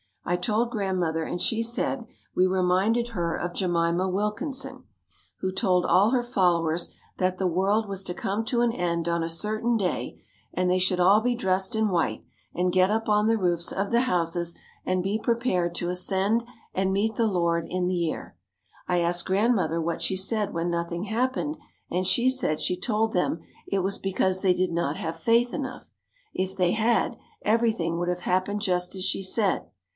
I told Grandmother and she said we reminded her of Jemima Wilkinson, who told all her followers that the world was to come to an end on a certain day and they should all be dressed in white and get up on the roofs of the houses and be prepared to ascend and meet the Lord in the air. I asked Grandmother what she said when nothing happened and she said she told them it was because they did not have faith enough. If they had, everything would have happened just as she said.